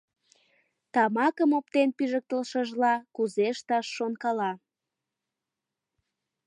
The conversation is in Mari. Тамакым оптен пижыктышыжла, кузе ышташ шонкала.